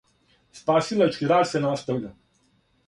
Спасилачки рад се наставља.